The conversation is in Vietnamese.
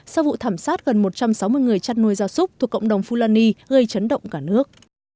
sau vụ thảm sát gần một trăm sáu mươi người chăn nuôi gia súc thuộc cộng đồng fulani gây chấn động cả nước